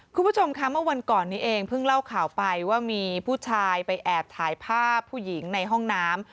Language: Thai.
คุณผู้ชมค่ะเมื่อวันก่อนนี้เองเพิ่งเล่าข่าวไปว่ามีผู้ชายไปแอบถ่ายภาพผู้หญิงในห้องน้ำ